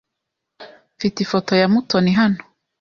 Mfite ifoto ya Mutoni hano.